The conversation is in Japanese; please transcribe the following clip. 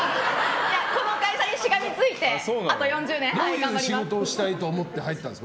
この会社にしがみついてあと４０年頑張ります。